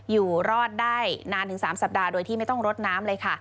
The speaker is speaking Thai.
อยู่รอดได้นานถึง๓สัปดาห์โดยที่ไม่ต้องรดน้ำเลยค่ะ